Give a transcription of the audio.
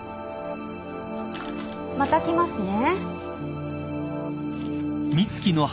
また来ますね。